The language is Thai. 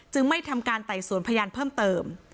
ไม่ทำการไต่สวนพยานเพิ่มเติม